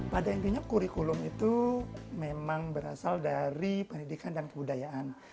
pada intinya kurikulum itu memang berasal dari pendidikan dan kebudayaan